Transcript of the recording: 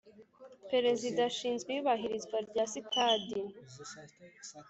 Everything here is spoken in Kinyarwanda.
Perezida ashinzwe iyubahirizwa rya Sitati